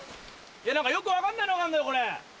何かよく分かんないのがあんだよこれ。